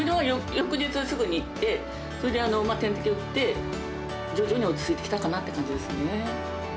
翌日すぐに行って、それで点滴を打って、徐々に落ち着いてきたかなって感じですね。